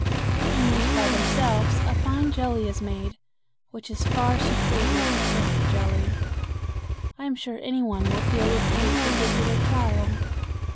When used by themselves a fine jelly is made which is far superior to currant jelly. I am sure any one will feel repaid who gives it a trial.